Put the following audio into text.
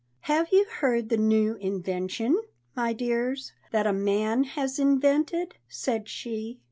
"Have you heard the new invention, my dears, That a man has invented?" said she.